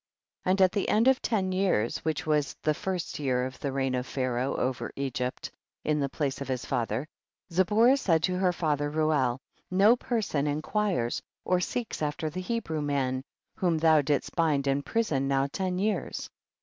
28. And at the end of ten years, which was the first year of the reign of Pharaoh* over Egypt, in the place of his father, 29. Zipporah said to her father Reuel, no person inquires or seeks after the Hebrew man, whom thou didst bind in prison now ten years.